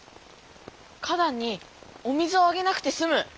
花だんにお水をあげなくてすむ。